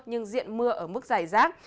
nhưng diện mưa ở mức dài rác